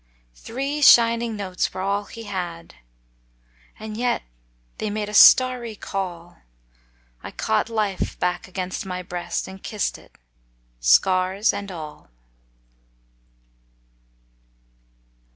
Three shining notes were all he had, And yet they made a starry call I caught life back against my breast And kissed it, scars and all.